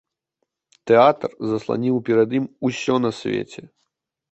Тэатр засланіў перад ім усё на свеце.